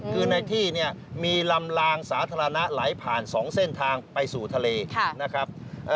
คือในที่เนี่ยมีลำลางสาธารณะไหลผ่าน๒เส้นทางไปสู่ทะเลนะครับ